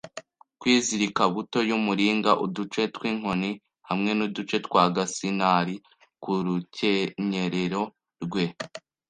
kwizirika, buto y'umuringa, uduce twinkoni, hamwe nuduce twa gasinari. Ku rukenyerero rwe